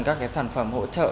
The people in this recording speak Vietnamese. các sản phẩm hỗ trợ